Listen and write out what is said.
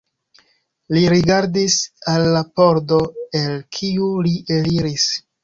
Li rigardis al la pordo el kiu li eliris.